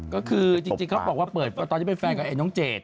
ก็คือจริงเขาบอกว่าเปิดตอนนี้เป็นแฟนกับไอ้น้องเจด